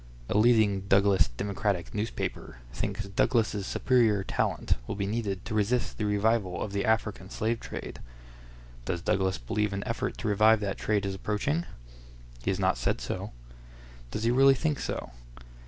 A leading Douglas Democratic newspaper thinks Douglas's superior talent will be needed to resist the revival of the African slave trade. Does Douglas believe an effort to revive that trade is approaching? He has not said so. Does he really think so?